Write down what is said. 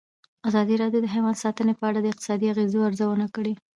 ازادي راډیو د حیوان ساتنه په اړه د اقتصادي اغېزو ارزونه کړې.